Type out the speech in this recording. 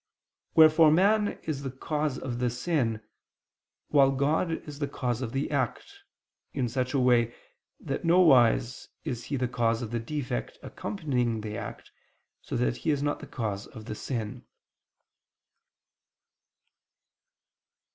Wherefore man is the cause of the sin: while God is the cause of the act, in such a way, that nowise is He the cause of the defect accompanying the act, so that He is not the cause of the sin.